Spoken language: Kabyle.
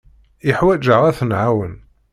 Yeḥwaj-aɣ ad t-nɛawen.